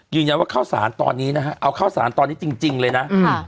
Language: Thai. ยืนยันว่าข้าวสารตอนนี้นะฮะเอาข้าวสารตอนนี้จริงเลยนะ